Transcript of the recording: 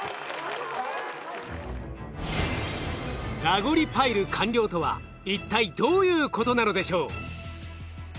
「ラゴリパイル完了」とは一体どういうことなのでしょう？